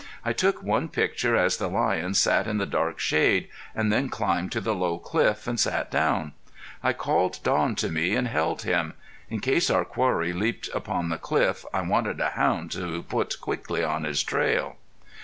I took one picture as the lion sat in the dark shade, and then climbed to the low cliff and sat down. I called Don to me and held him. In case our quarry leaped upon the cliff I wanted a hound to put quickly on his trail.